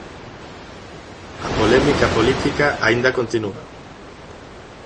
A polémica política aínda continúa.